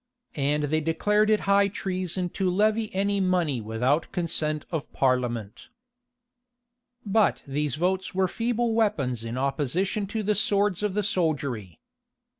And they declared it high treason to levy any money without consent of parliament. But these votes were feeble weapons in opposition to the swords of the soldiery.